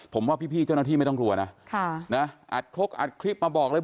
ผมว่าพี่เจ้าหน้าที่ไม่ต้องกลัวนะอัดครกอัดคลิปมาบอกเลย